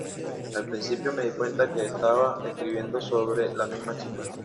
Al principio me di cuenta de que estaba escribiendo sobre la misma chica".